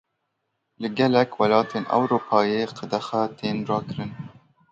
Li gelek welatên Ewropayê qedexe tên rakirin.